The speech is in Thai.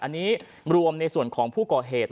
อันนี้รวมในส่วนของผู้ก่อเหตุ